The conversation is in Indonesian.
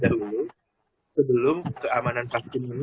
fase satu itu tujuannya untuk menguji keamanan vaksin pitanya